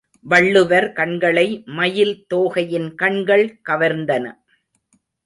வள்ளுவர் கண்களை மயில் தோகையின் கண்கள் கவர்ந்தன.